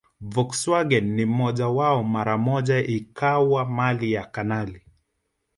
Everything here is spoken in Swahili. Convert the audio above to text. Volkswagen ya mmoja wao mara moja ikawa mali ya kanali